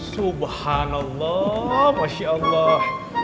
subhanallah masya allah